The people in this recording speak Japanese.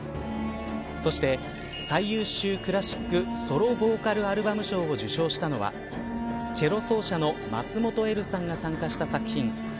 そして、最優秀クラシック・ソロ・ボーカル・アルバム賞を受賞したのはチェロ奏者の松本エルさんが参加した作品。